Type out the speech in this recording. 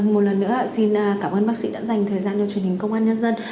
một lần nữa xin cảm ơn bác sĩ đã dành thời gian cho truyền hình công an nhân dân